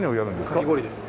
かき氷です。